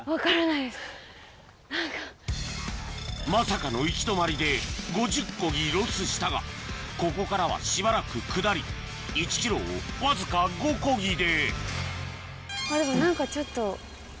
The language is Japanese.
まさかの行き止まりで５０コギロスしたがここからはしばらく下り１ｋｍをわずか５コギであっでも何かちょっと。